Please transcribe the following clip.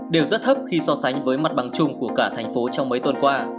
đều rất thấp khi so sánh với mặt bằng chung của cả thành phố trong mấy tuần qua